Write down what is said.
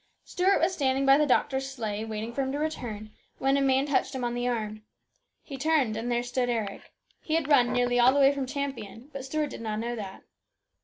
Stuart was standing by the doctor's sleigh, waiting for him to return, when a man touched him on the arm. He turned, and there stood Eric. He had run nearly all the way from Champion, but Stuart did not know that.